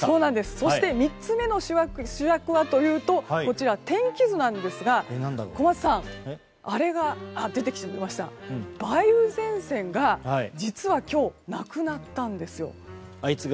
そして３つ目の主役はというと天気図なんですが小松さん梅雨前線が今日、なくなったんです。